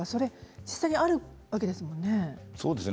実際にあるわけですよね。